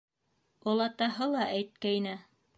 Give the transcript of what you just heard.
Олатаһы ла әйткәйне.